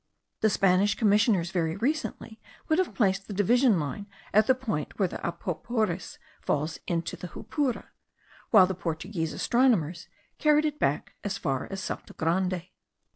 The Spanish commissioners very recently would have placed the divisional line at the point where the Apoporis falls into the Jupura, while the Portuguese astronomers carried it back as far as Salto Grande.